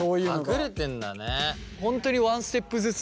隠れてんだね。